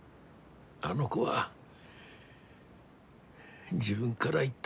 あの子は自分がら言ったんだ。